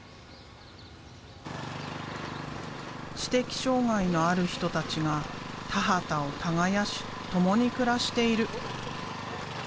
知的障害のある人たちが田畑を耕し共に暮らしている。